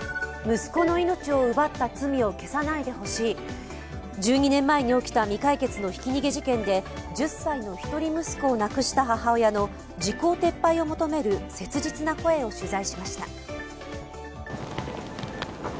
息子の命を奪った罪を消さないでほしい、１２年前に起きた未解決のひき逃げ事件で１０歳の一人息子を亡くした母親の時効撤廃を求める切実な声を取材しました。